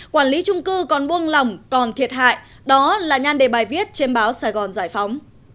quản lý trung cư còn buông lỏng còn thiệt hại đó là nhan đề bài viết trên báo sài gòn giải phóng